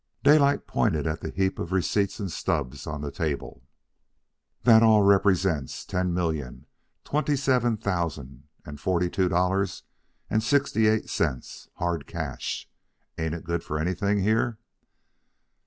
Daylight pointed at the heap of receipts and stubs on the table. "That all represents ten million twenty seven thousand and forty two dollars and sixty eight cents, hard cash. Ain't it good for anything here?"